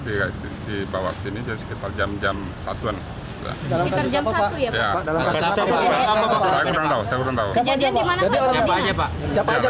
dibawa sini dari sekitar jam jam satuan